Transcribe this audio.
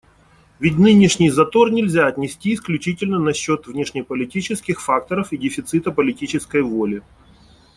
Ведь нынешний затор нельзя отнести исключительно на счет внешнеполитических факторов и дефицита политической воли.